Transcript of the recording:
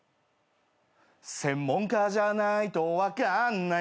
「専門家じゃないと分かんないよ」